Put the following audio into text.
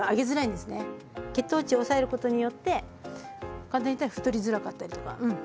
血糖値を抑えることによって簡単に言ったら太りづらかったりとかうん。